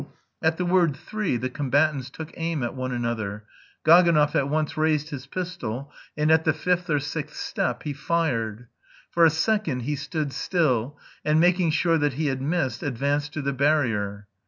At the word "Three" the combatants took aim at one another. Gaganov at once raised his pistol, and at the fifth or sixth step he fired. For a second he stood still, and, making sure that he had missed, advanced to the barrier.